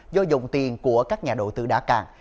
do dòng tiền của các nhà đầu tư đã càng